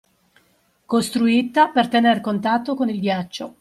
Costruita per tener contatto con il ghiaccio